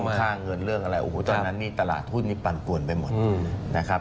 ค่าเงินเรื่องอะไรโอ้โหตอนนั้นนี่ตลาดหุ้นนี้ปั่นป่วนไปหมดนะครับ